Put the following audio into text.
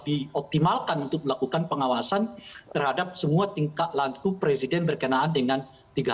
dioptimalkan untuk melakukan pengawasan terhadap semua tingkat laku presiden berkenaan dengan